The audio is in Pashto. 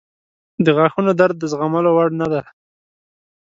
• د غاښونو درد د زغملو وړ نه دی.